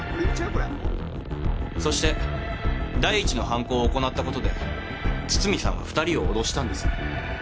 そして第一の犯行を行ったことで堤さんは２人を脅したんです。